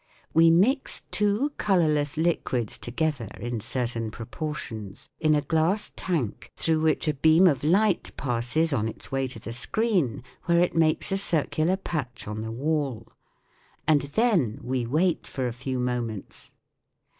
We mix two colourless liquids together in certain proportions in a glass tank through SOUNDS OF THE COUNTRY 127 which a beam of light passes on its way to the screen, where it makes a circular patch on the wall ; and then we wait for a few moments.